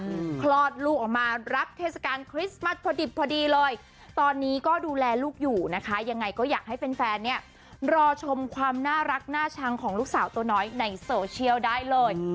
คลอดลูกออกมารับเทศกาลคริสต์มัสพอดิบพอดีเลยตอนนี้ก็ดูแลลูกอยู่นะคะยังไงก็อยากให้แฟนแฟนเนี้ยรอชมความน่ารักน่าชังของลูกสาวตัวน้อยในโซเชียลได้เลย